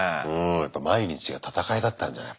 毎日が戦いだったんじゃない？